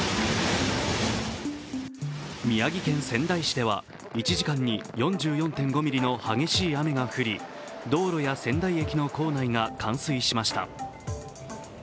宮城県仙台市では１時間に４４．５ミリの激しい雨が降り、道路や仙台駅の構内が冠水しました。